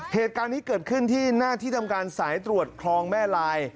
เหตุการณ์นี้เกิดขึ้นที่หน้าที่ทำการสายตรวจคลองแม่ลาย